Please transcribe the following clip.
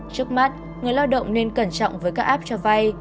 trước mắt người lao động nên cẩn trọng với các app cho vay